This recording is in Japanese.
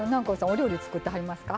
お料理作ってはりますか？